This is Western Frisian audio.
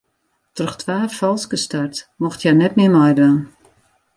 Troch twa falske starts mocht hja net mear meidwaan.